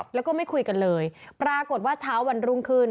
แล้วก็ไม่คุยกันเลยปรากฏว่าเช้าวันรุ่งขึ้น